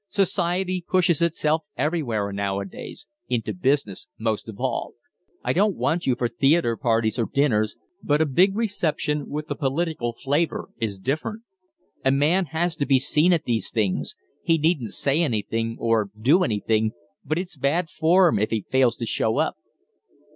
Society pushes itself everywhere nowadays into business most of all. I don't want you for theatre parties or dinners. But a big reception with a political flavor is different. A man has to be seen at these things; he needn't say anything or do anything, but it's bad form if he fails to show up."